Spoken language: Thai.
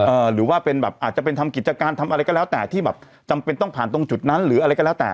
หรือว่าเป็นแบบอาจจะเป็นทำกิจการทำอะไรก็แล้วแต่ที่แบบจำเป็นต้องผ่านตรงจุดนั้นหรืออะไรก็แล้วแต่